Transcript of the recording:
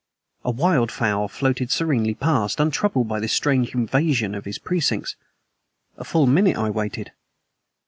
A wild fowl floated serenely past, untroubled by this strange invasion of his precincts. A full minute I waited.